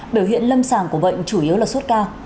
biểu hiện lâm sàng của bệnh chủ yếu là suốt ca